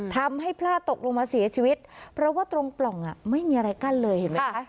พลาดตกลงมาเสียชีวิตเพราะว่าตรงปล่องไม่มีอะไรกั้นเลยเห็นไหมคะ